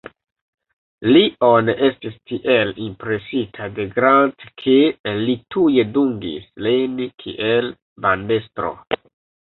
Lion estis tiel impresita de Grant, ke li tuj dungis lin kiel bandestro.